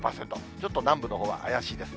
ちょっと南部のほうは怪しいです。